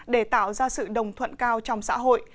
để tạo ra sự đồng thuận cao trong xã hội